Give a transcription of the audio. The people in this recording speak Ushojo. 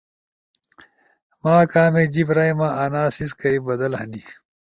ما کامیک جیِب رائما انا سیسکئی بدل ہنی